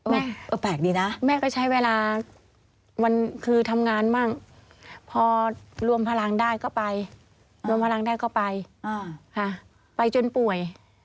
แม่แปลกดีนะแม่ก็ใช้เวลาคือทำงานบ้างพอรวมพลังได้ก็ไปไปจนป่วย